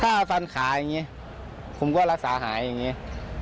ถ้าฟันขาอย่างนี้ผมก็รักษาหายอย่างนี้